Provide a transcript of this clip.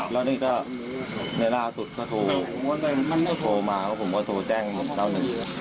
แล้วแน่นอนสุดเขาโทรมาผมเขาโทรแต่งคือเต้าหนึ่ง